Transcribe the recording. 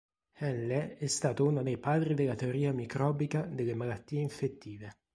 Henle è stato una dei padri della teoria microbica delle malattie infettive.